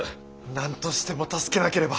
何としても助けなければ。